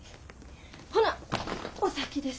ほなお先です。